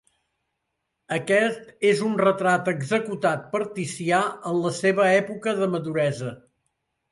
Aquest és un retrat executat per Ticià en la seva època de maduresa.